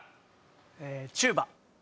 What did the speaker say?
えチューバ。